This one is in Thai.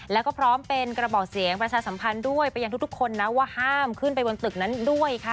แล้วก็พร้อมเป็นกระบอกเสียงประชาสัมพันธ์ด้วยไปยังทุกคนนะว่าห้ามขึ้นไปบนตึกนั้นด้วยค่ะ